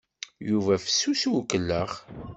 Yuba fessus i ukellex.